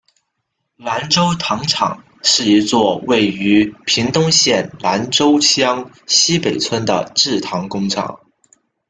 南州糖厂是一座位于屏东县南州乡溪北村的制糖工厂。